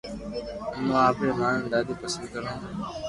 امو آپري مان ني ڌاڌي پسند ڪرو ھون